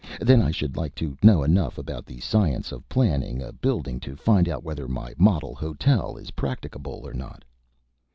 Then I should like to know enough about the science of planning a building to find out whether my model hotel is practicable or not."